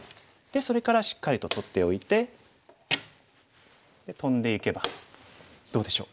それからしっかりと取っておいてトンでいけばどうでしょう？